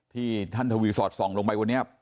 ที่ท่านทวีสอดส่องลงไปวันนี้